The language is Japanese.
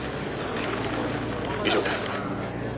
「以上です」